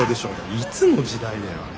いつの時代だよあれ。